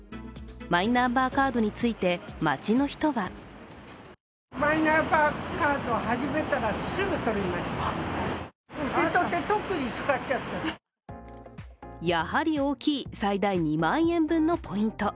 マイナンバーカードについて街の人はやはり大きい最大２万円分のポイント。